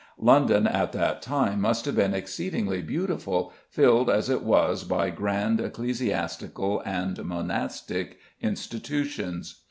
London at that time must have been exceedingly beautiful, filled as it was by grand ecclesiastical and monastic institutions.